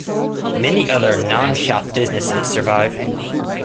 Many other non-shop businesses survive.